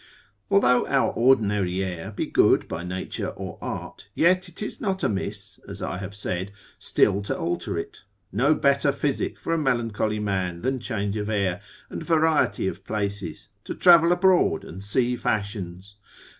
Although our ordinary air be good by nature or art, yet it is not amiss, as I have said, still to alter it; no better physic for a melancholy man than change of air, and variety of places, to travel abroad and see fashions.